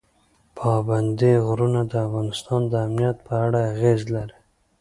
پابندي غرونه د افغانستان د امنیت په اړه اغېز لري.